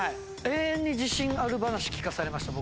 永遠に自信ある話聞かされました